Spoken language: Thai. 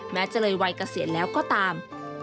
แม้จะเลยไวกระเศษแล้วก็ตาม